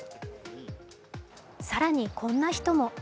更にこんな人も。